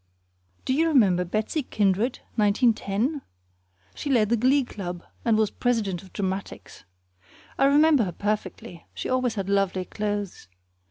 Do you remember Betsy Kindred, 1910? She led the glee club and was president of dramatics. I remember her perfectly; she always had lovely clothes.